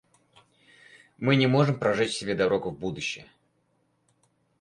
Мы не можем прожечь себе дорогу в будущее.